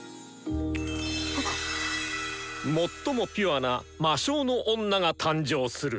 最もピュアな魔性の女が誕生する！